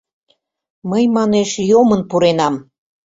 — Мый, манеш, йомын пуренам.